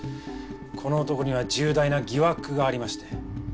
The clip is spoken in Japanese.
この男には重大な疑惑がありまして。